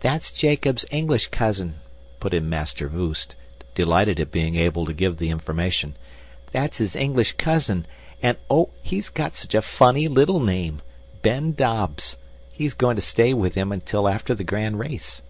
"That's Jacob's English cousin," put in Master Voost, delighted at being able to give the information. "That's his English cousin, and, oh, he's got such a funny little name Ben Dobbs. He's going to stay with him until after the grand race."